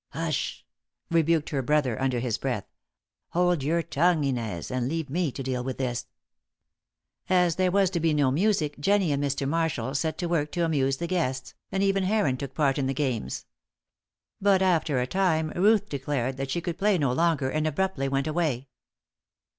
"Hush!" rebuked her brother under his breath. "Hold your tongue, Inez, and leave me to deal with this." As there was to be no music, Jennie and Mr. Marshall set to work to amuse the guests, and even Heron took part in the games. But after a time Ruth declared that she could play no longer and abruptly went away.